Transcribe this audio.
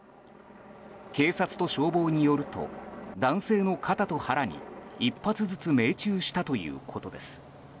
警察と消防によると男性の肩と腹に１発ずつ命中したということです。